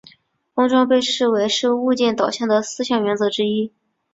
封装被视为是物件导向的四项原则之一。